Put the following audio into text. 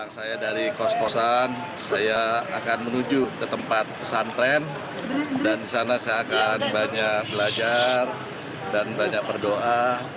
saya dari kos kosan saya akan menuju ke tempat pesantren dan di sana saya akan banyak belajar dan banyak berdoa